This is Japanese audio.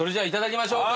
いただきます！